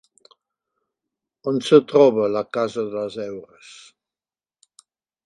On es troba la Casa de les Heures?